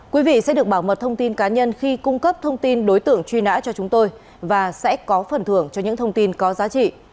quý vị sẽ được bảo mật thông tin cá nhân khi cung cấp thông tin đối tượng truy nã cho chúng tôi và sẽ có phần thưởng cho những thông tin có giá trị